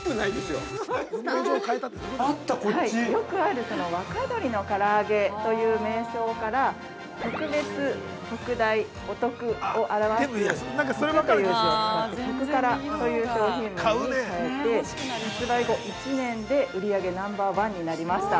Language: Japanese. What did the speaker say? ◆よくある「若鶏の唐揚げ」という名称から「特別」「特大」「おトク」を表す「特」という字を使って「特から」という商品名に変えて発売後１年で売り上げナンバー１になりました。